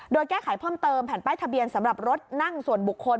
โดยแก้ไขเพิ่มเติมแผ่นป้ายทะเบียนสำหรับรถนั่งส่วนบุคคล